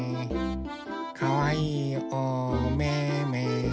かわいいおめめ。